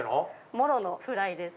モロのフライです。